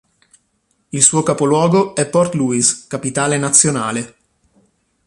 Il suo capoluogo è Port Louis, capitale nazionale.